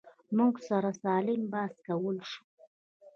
موږ سره سالم بحث کولی شو.